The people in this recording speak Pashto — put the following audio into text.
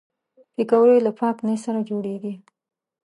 پکورې له پاک نیت سره جوړېږي